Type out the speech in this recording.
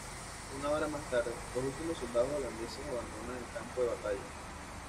Una hora más tarde, los últimos soldados holandeses abandonaban el campo de batalla.